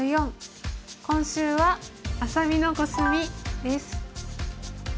今週は「愛咲美のコスミ」です。